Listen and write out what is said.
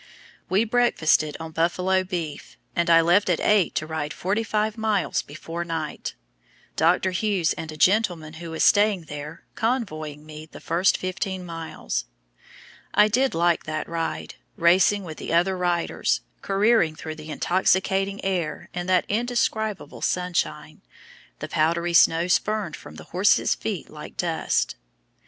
We breakfasted on buffalo beef, and I left at eight to ride forty five miles before night, Dr. Hughes and a gentleman who was staying there convoying me the first fifteen miles. I did like that ride, racing with the other riders, careering through the intoxicating air in that indescribable sunshine, the powdery snow spurned from the horses' feet like dust!